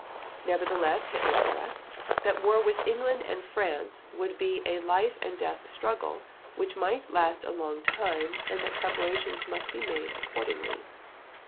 Nevertheless, Hitler stressed, that war with England and France would be a life and death struggle, which might last a long time, and that preparations must be made accordingly.